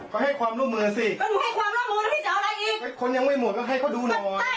ใจเย็น